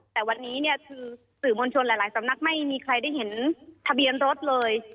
แต่วันนี้สื่อมนตร์ชนหลายสำนักไม่มีใครได้เห็นทะเบียนรถเลย